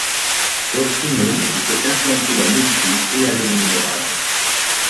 Sovkino était implantée à Moscou et à Leningrad.